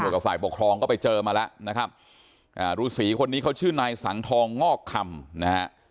กับฝ่ายปกครองก็ไปเจอมาแล้วนะครับอ่ารูสีคนนี้เขาชื่อนายสังทองงอกคำนะฮะ